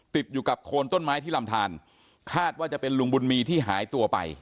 ติดอยู่กับโคนต้นไม้ที่ลำทานคาดว่าจะเป็นลุงบุญมีที่หายตัวไป